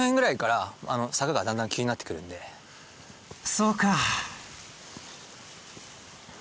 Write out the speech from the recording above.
そうか。